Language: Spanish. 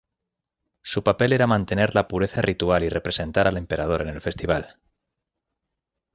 Su papel era mantener la pureza ritual y representar al emperador en el festival.